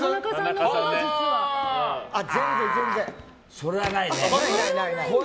それはない、ない。